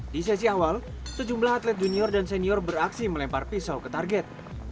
di sesi awal sejumlah atlet junior dan senior beraksi melempar pisau ke target